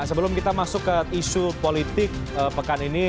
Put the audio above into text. sebelum kita masuk ke isu politik pekan ini